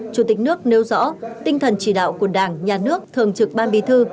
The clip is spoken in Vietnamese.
chủ tịch nước nêu rõ tinh thần chỉ đạo của đảng nhà nước thường trực ban bí thư